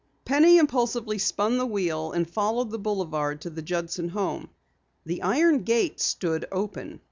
Penny impulsively spun the wheel, and followed the boulevard to the Judson home. The iron gate stood open.